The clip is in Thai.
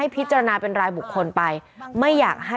ก็เป็นสถานที่ตั้งมาเพลงกุศลศพให้กับน้องหยอดนะคะ